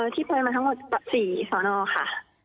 ที่ไปมาทั้งหมด๔สอนอค่ะ